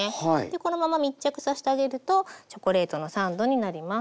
このまま密着さしてあげるとチョコレートのサンドになります。